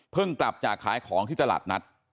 กลับจากขายของที่ตลาดนัด